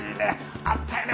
あったよね！